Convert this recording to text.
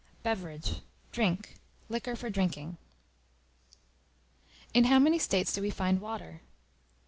Beverage, drink, liquor for drinking. In how many states do we find Water?